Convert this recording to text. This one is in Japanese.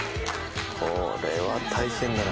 これは大変だな。